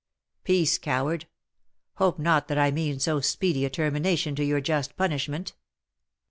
"Peace, coward! Hope not that I mean so speedy a termination to your just punishment.